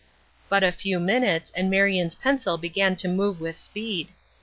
But a few minutes and Marion's pencil began to move with speed.